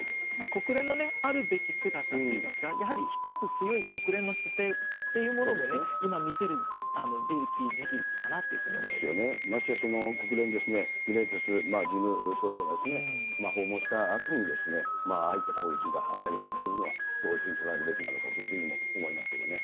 国連のあるべき姿といいますか、やはり一つ強い国連の姿勢っていうものを今見せるべき時期かなとですよね、ましてや国連ですね、グテーレス事務総長が訪問したあとに、ああいった攻撃があったりしたことは、どういうふうに捉えるべきなのかというふうにも思いますけれどもね。